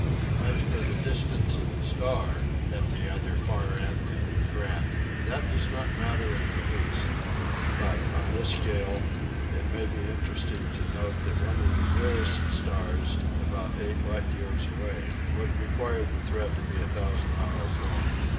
As for the distance of the star, at the other far end of the thread, that does not matter in the least : but, on this scale, it may be interesting to note that one of the nearest stars, about eight light years away, would require the thread to be a thousand miles long.